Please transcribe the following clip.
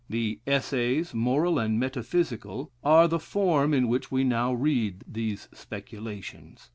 The "Essays, Moral and Metaphysical," are the form in which we now read these speculations.